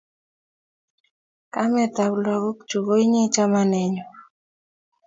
Kametap lakak chu ko inye chamanenyu